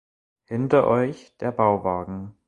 Hinter euch der Bauwagen.